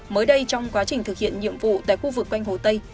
mới đây trong quá trình thực hiện nhiệm vụ tại khu vực quanh hồ tây